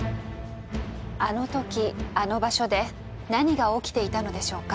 あの時あの場所で何が起きていたのでしょうか？